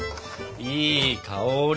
いい香り！